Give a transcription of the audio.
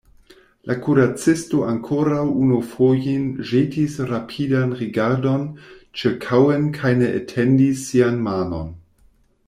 La kuracisto ankoraŭ unu fojon ĵetis rapidan rigardon ĉirkaŭen kaj ne etendis sian manon.